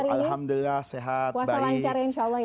alhamdulillah sehat baik kuasa lancar insya allah ya